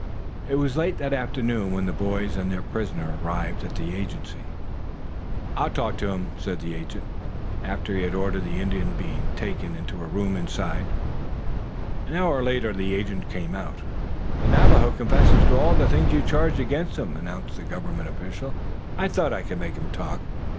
It was late that afternoon when the boys and their poisoner arrived at the Agency. "I'll talk to him," said the agent, after he had ordered that the Indian be taken to a room inside. An hour later the agent came out. "The Navajo confesses to all the things you charge against him," announced the government official. "I thought I could make him talk.